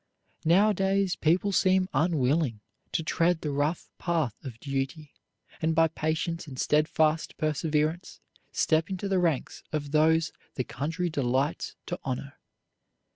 Nowadays people seem unwilling to tread the rough path of duty and by patience and steadfast perseverance step into the ranks of those the country delights to honor.